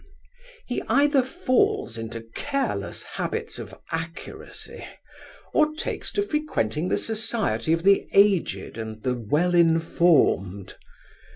'He either falls into careless habits of accuracy, or takes to frequenting the society of the aged and the well informed.